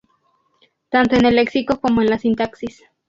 tanto en el léxico como en la sintaxis